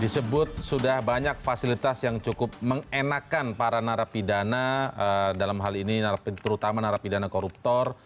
disebut sudah banyak fasilitas yang cukup mengenakan para narapidana dalam hal ini terutama narapidana koruptor